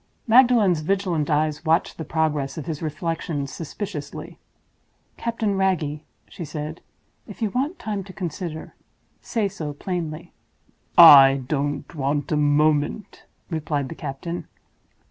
Magdalen's vigilant eyes watched the progress of his reflections suspiciously. "Captain Wragge," she said, "if you want time to consider, say so plainly." "I don't want a moment," replied the captain.